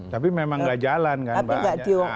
tapi memang gak jalan kan mbak ida